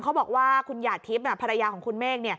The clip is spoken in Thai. เขาบอกว่าคุณหยาดทิพย์ภรรยาของคุณเมฆ